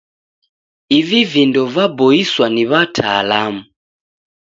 Ivi vindo vaboiswa ni w'ataalamu.